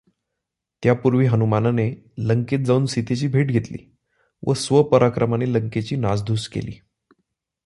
त्यापूर्वी हनुमानाने लंकेत जावून सीतेची भेट घेतली व स्व पराक्रमाने लंकेची नासधूस केली.